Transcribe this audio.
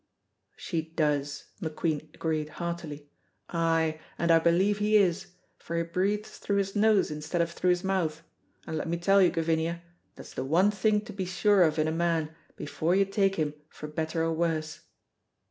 "She does," McQueen agreed heartily; "ay, and I believe he is, for he breathes through his nose instead of through his mouth; and let me tell you, Gavinia, that's the one thing to be sure of in a man before you take him for better or worse."